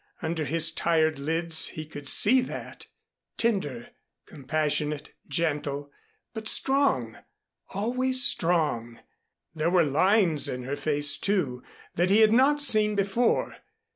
Under his tired lids he could see that tender, compassionate, gentle, but strong always strong. There were lines in her face, too, that he had not seen before.